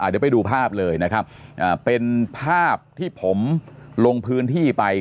เดี๋ยวไปดูภาพเลยนะครับเป็นภาพที่ผมลงพื้นที่ไป